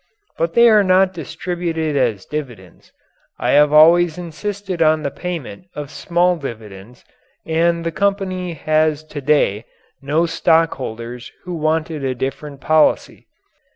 But they are not distributed as dividends. I have always insisted on the payment of small dividends and the company has to day no stockholders who wanted a different policy.